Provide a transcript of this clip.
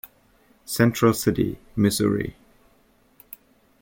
Central City, Missouri.